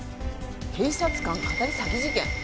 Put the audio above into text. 警察官かたり詐欺事件？